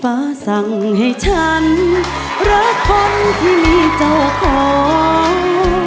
ฟ้าสั่งให้ฉันรักคนที่มีเจ้าของ